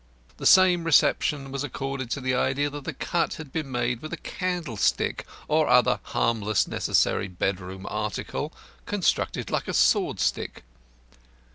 The same reception was accorded to the idea that the cut had been made with a candle stick (or other harmless necessary bedroom article) constructed like a sword stick.